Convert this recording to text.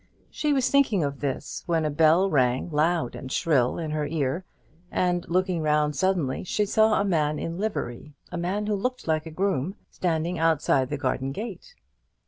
She was thinking of this when a bell rang loud and shrill in her ear: and looking round suddenly, she saw a man in livery a man who looked like a groom standing outside the garden gate.